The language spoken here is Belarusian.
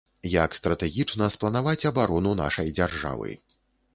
Як стратэгічна спланаваць абарону нашай дзяржавы.